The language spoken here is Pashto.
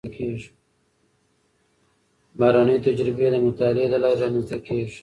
بهرنۍ تجربې د مطالعې له لارې رامنځته کېږي.